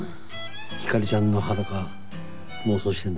ひかりちゃんの裸妄想してんだろ？